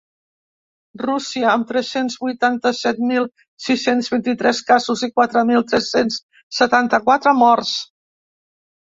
Rússia, amb tres-cents vuitanta-set mil sis-cents vint-i-tres casos i quatre mil tres-cents setanta-quatre morts.